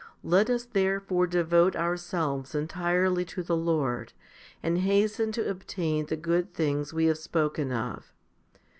Let us therefore devote ourselves entirely to the Lord, and hasten to obtain the good things we have spoken of.